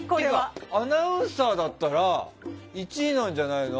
アナウンサーだったら１位なんじゃないの？